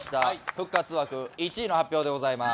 復活枠１位の発表でございます。